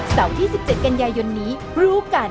ที่๑๗กันยายนนี้รู้กัน